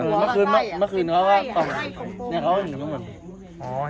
เมื่อคืนเมื่อคืนเขาก็ต้องเนี้ยเขาก็เห็นทั้งหมดอ๋อ